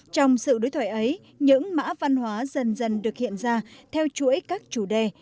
trong sự đối thoại ấy những mã văn hóa dần dần được hiện ra theo chuỗi các chủ đề